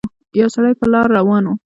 يو سړی په لاره روان وو